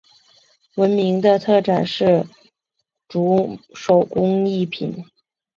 闻名的特产是竹手工艺品。